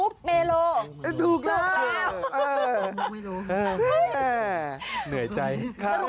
มุกมาโรไม่ใช่มุกมีโล